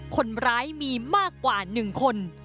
คนร้ายมีมากกว่า๑คน